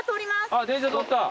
あっ電車通った。